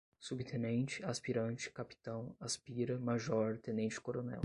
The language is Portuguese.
Subtenente, Aspirante, Capitão, aspira, Major, Tenente-Coronel